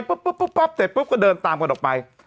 ปุ๊บปั๊บเสร็จปุ๊บก็เดินตามกันออกไป